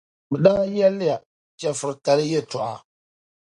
Bɛ daa yεlila chεfuritali yεltɔɣa